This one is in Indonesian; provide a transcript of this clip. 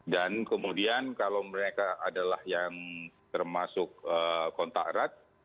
dan kemudian kalau mereka adalah yang termasuk kontak erat